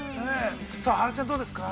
原ちゃん、どうですか。